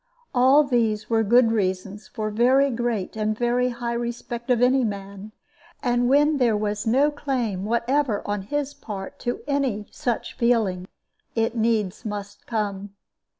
All these were good reasons for very great and very high respect of any man; and when there was no claim whatever on his part to any such feeling, it needs must come.